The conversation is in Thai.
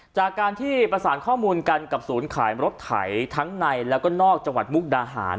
จากการที่ประสานข้อมูลกันกับศูนย์ขายรถไถทั้งในแล้วก็นอกจังหวัดมุกดาหาร